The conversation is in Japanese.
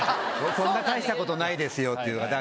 「僕そんな大したことないですよ」って言うの。